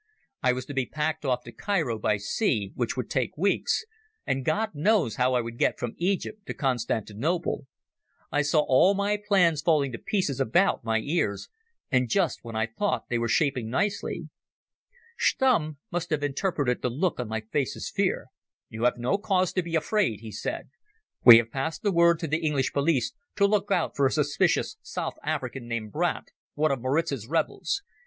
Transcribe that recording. I was to be packed off to Cairo by sea, which would take weeks, and God knows how I would get from Egypt to Constantinople. I saw all my plans falling to pieces about my ears, and just when I thought they were shaping nicely. Stumm must have interpreted the look on my face as fear. "You have no cause to be afraid," he said. "We have passed the word to the English police to look out for a suspicious South African named Brandt, one of Maritz's rebels.